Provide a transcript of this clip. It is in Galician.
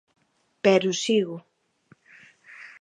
Pero sigo.